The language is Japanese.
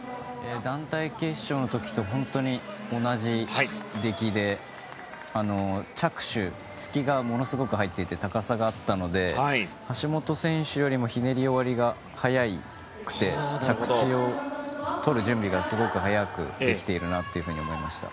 団体決勝の時と本当に同じ出来で着手、突きがものすごく入っていて高さがあったので橋本選手よりもひねり終わりが早くて着地を取る準備がすごく早くできているなと思いました。